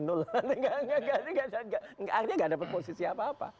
nanti gak ada posisi apa apa